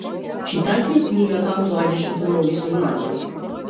Читајќи ја книгата доаѓаше до нови сознанија.